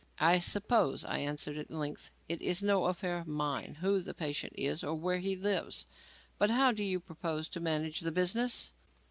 "I suppose," I answered, at length, "it is no affair of mine who the patient is or where he lives. But how do you propose to manage the business?